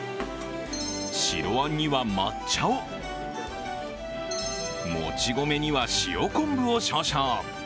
白あんには抹茶を、もち米には塩昆布を少々。